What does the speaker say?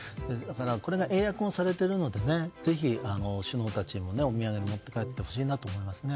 これが英訳もされているのでぜひ、首脳たちにもお土産に持って帰ってほしいなと思いますね。